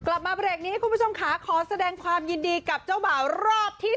กลับมาเบรกนี้คุณผู้ชมค่ะขอแสดงความยินดีกับเจ้าบ่าวรอบที่๓